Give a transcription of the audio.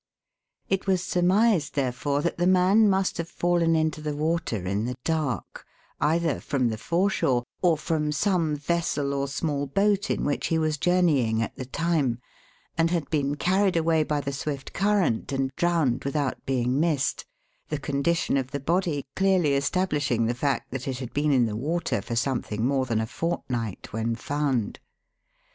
It was surmised, therefore, that the man must have fallen into the water in the dark either from the foreshore or from some vessel or small boat in which he was journeying at the time and had been carried away by the swift current and drowned without being missed, the condition of the body clearly establishing the fact that it had been in the water for something more than a fortnight when found.